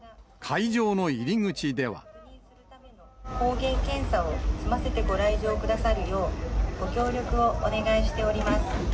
抗原検査を済ませてご来場くださるよう、ご協力をお願いしております。